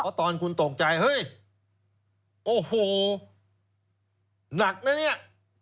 เพราะตอนคุณตกใจเฮ้ยโอ้โหหนักนะเนี่ย